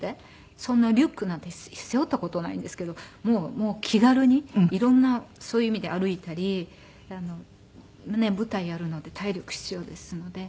そんなリュックなんて背負った事ないんですけどもう気軽に色んなそういう意味で歩いたり舞台やるので体力必要ですので。